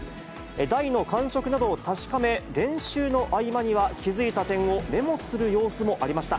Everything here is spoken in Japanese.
台の感触などを確かめ、練習の合間には、気付いた点をメモする様子もありました。